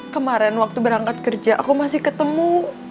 kemarin waktu berangkat kerja aku masih ketemu